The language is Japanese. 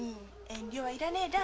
遠慮はいらねえだ。